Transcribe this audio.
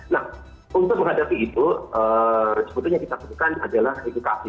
nah untuk menghadapi itu sebetulnya kita sebutkan adalah edukasi